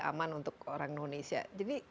aman untuk orang indonesia jadi